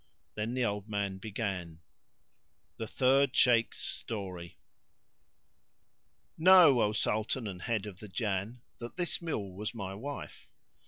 Then the old man began The Third Shaykh's Story. Know, O Sultan and head of the Jann, that this mule was my wife.